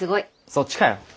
そっちかよ！